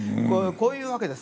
「こういうわけです。